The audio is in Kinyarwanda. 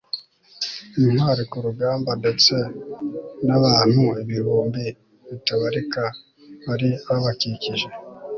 intwari ku rugamba ndetse nabantu ibihumbi bitabarika bari babakikije